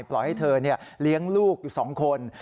ปล่อยให้เธอเลี้ยงลูกอยู่๒คน